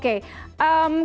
ketika orang tersebut